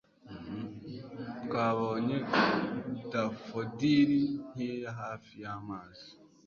twabonye dafodili nkeya hafi yamazi